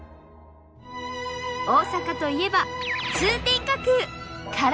大阪といえば通天閣！から